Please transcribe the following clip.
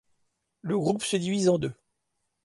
Le groupe se divise en deux.